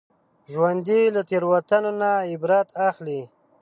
ژوندي له تېروتنو نه عبرت اخلي